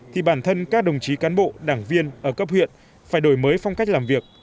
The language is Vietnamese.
thì bản thân các đồng chí cán bộ đảng viên ở cấp huyện phải đổi mới phong cách làm việc